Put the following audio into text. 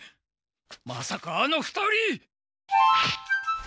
まさかあの２人。